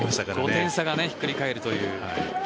５点差がひっくり返るという。